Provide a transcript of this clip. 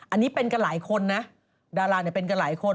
อันนี้เป็นกันหลายคนนะดาราเนี่ยเป็นกันหลายคน